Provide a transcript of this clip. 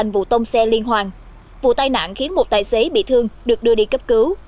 vụ tông xe liên hoàn vụ tai nạn khiến một tài xế bị thương được đưa đi cấp cứu